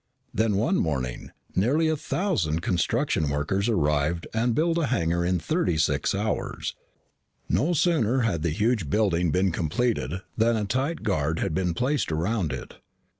Then, one morning, nearly a thousand construction workers arrived and built a hangar in thirty six hours. No sooner had the huge building been completed than a tight guard had been placed around it.